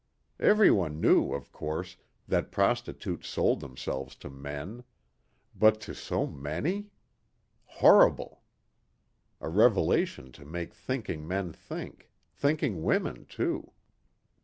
Everyone knew, of course, that prostitutes sold themselves to men. But to so many!!! Horrible! A revelation to make thinking men think, thinking women, too.